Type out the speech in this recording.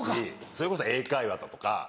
それこそ英会話だとか。